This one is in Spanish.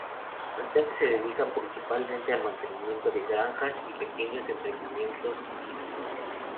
Sus habitantes se dedican principalmente al mantenimiento de granjas y pequeños emprendimientos turísticos.